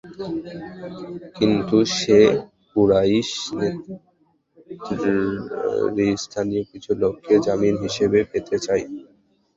কিন্তু সে কুরাইশ নেতৃস্থানীয় কিছু লোককে জামিন হিসেবে পেতে চায়।